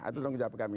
itu yang kita berkata